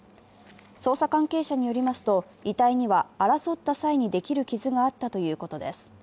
捜査関係者によりますと、遺体には争った際にできる傷があったということです。